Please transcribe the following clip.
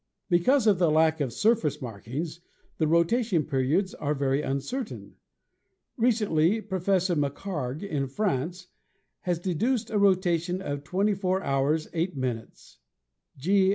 Because of the lack of surface markings the rotation periods are very uncertain. Recently Professor McHarg, in France, has deduced a rotation of 24 h. 8 m. G.